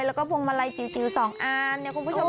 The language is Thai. แล้วก็พวงมาลัยจิว๒อันคุณผู้ชมดู